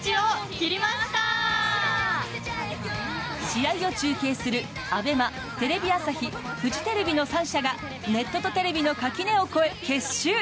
試合を中継するＡＢＥＭＡテレビ朝日、フジテレビの３社がネットとテレビの垣根を越え結集。